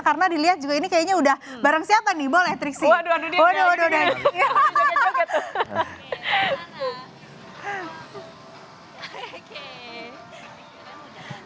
karena dilihat juga ini kayaknya udah bareng siapa nih boleh triksi waduh waduh waduh